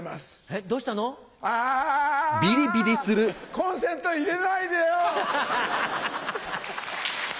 コンセント入れないでよ！